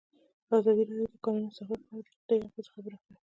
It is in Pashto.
ازادي راډیو د د کانونو استخراج په اړه د روغتیایي اغېزو خبره کړې.